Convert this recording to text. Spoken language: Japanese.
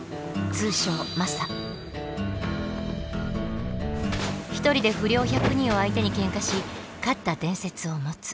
通称１人で不良１００人を相手にケンカし勝った伝説を持つ。